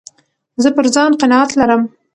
زه پر ځان قناعت لرم.